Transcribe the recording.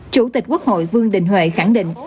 chủ tịch quốc hội vương đình huệ khẳng định